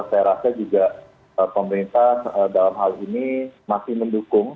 saya rasa juga pemerintah dalam hal ini masih mendukung